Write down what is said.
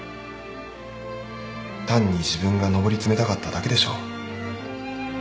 単に自分が上り詰めたかっただけでしょ？